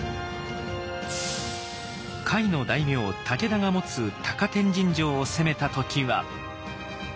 甲斐の大名武田が持つ高天神城を攻めた時は。